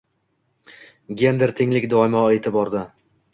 Gender tenglik doimo e’tiborda